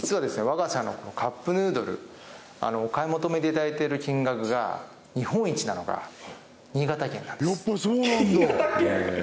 我が社のこのカップヌードルお買い求めていただいてる金額が日本一なのが新潟県なんです新潟県！